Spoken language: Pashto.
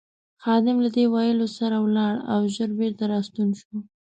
خادم له دې ویلو سره ولاړ او ژر بېرته راستون شو.